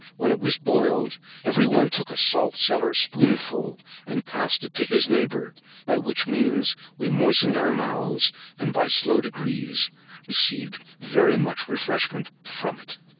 When it was boiled, every one took a salt cellar spoonful, and passed it to his neighbour; by which means we moistened our mouths by slow degrees, and received much refreshment from it.